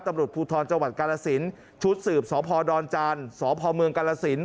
ตำรวจภูทรจังหวัดกาลสินชุดสืบสพดอนจานสพเมืองกาลสิน